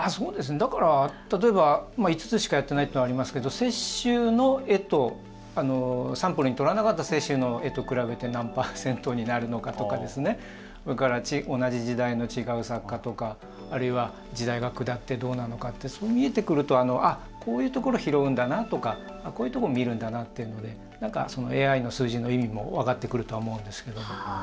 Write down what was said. だから例えば５つしかやっていないというのはありますけど雪舟の絵とサンプルにとらなかった雪舟の絵と比べて何パーセントになるのかとか同じ時代の違う作家とかあるいは時代が下ってどうなのかって見えてくるとこういうところを拾うんだなとかこういうところ見るんだなというのでＡＩの数字の意味もわかってくると思うんですけれども。